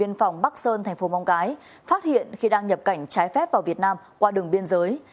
viên phòng bắc sơn tp mong cái phát hiện khi đang nhập cảnh trái phép vào việt nam qua đường biên giới